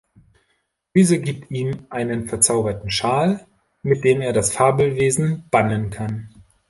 Diese gibt ihm einen verzauberten Schal, mit dem er das Fabelwesen bannen kann.